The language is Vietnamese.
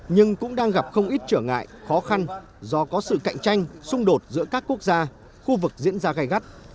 nhưng cũng đang gặp không ít trở ngại khó khăn do có sự cạnh tranh xung đột giữa các quốc gia khu vực diễn ra gai gắt